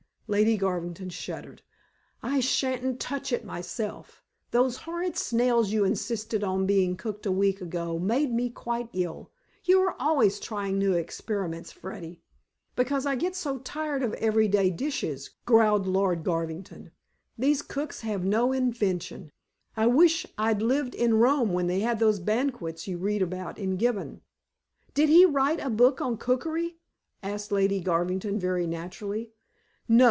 Lady Garvington shuddered. "I shan't touch it myself. Those horrid snails you insisted on being cooked a week ago made me quite ill. You are always trying new experiments, Freddy." "Because I get so tired of every day dishes," growled Lord Garvington. "These cooks have no invention. I wish I'd lived in Rome when they had those banquets you read of in Gibbon." "Did he write a book on cookery?" asked Lady Garvington very naturally. "No.